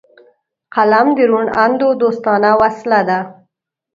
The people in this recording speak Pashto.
قلم د روڼ اندو دوستانه وسله ده